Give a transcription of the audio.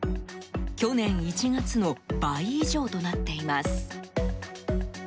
去年１月の倍以上となっています。